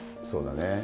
そうだね。